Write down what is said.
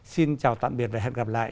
xin chào tạm biệt và hẹn gặp lại